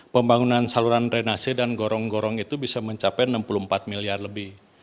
pembangunan saluran drenase dan gorong gorong itu bisa mencapai enam puluh empat miliar lebih